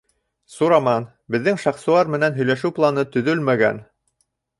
— Сураман, беҙҙең Шахсуар менән һөйләшеү планы төҙөлмәгән.